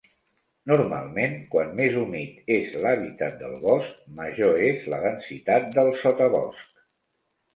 Normalment, quan més humit és l'hàbitat del bosc, major és la densitat del sotabosc.